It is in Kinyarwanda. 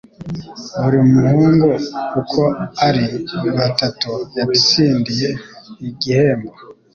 Buri muhungu uko ari batatu yatsindiye igihembo.